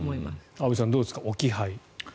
安部さん、どうですか置き配。